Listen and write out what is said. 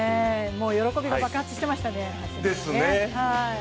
もう喜びが爆発してましたね。